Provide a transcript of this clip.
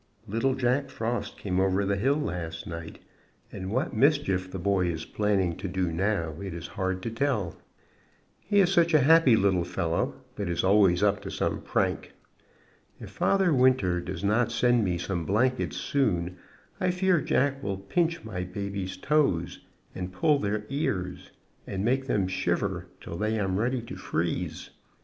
Little Jack Frost came over the hill last night, and what mischief the boy is planning to do now, it is hard to tell. He is such a happy little fellow, but is always up to some prank. If Father Winter does not send me some blankets soon, I fear Jack will pinch my babies' toes, and pull their ears, and make them shiver till they am ready to freeze.